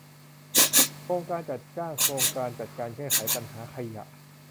โครงการจัดจ้างจ้างโครงการจัดการแก้ไขปัญหาขยะ